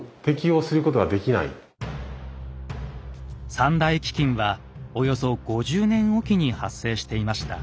三大飢饉はおよそ５０年おきに発生していました。